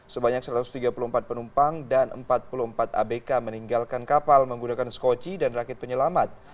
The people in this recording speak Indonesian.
sebanyak satu ratus tiga puluh empat penumpang dan empat puluh empat abk meninggalkan kapal menggunakan skoci dan rakit penyelamat